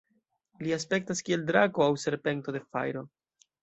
Li aspektas kiel drako aŭ serpento de fajro.